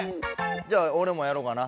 じゃあおれもやろうかな。